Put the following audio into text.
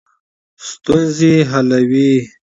ستونزې حلوي.